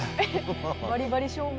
バリバリ照明。